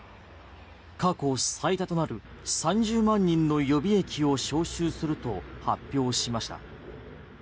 過去最多となる３０万人の予備役を招集すると発表しました。